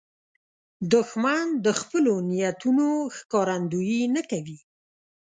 دښمن د خپلو نیتونو ښکارندویي نه کوي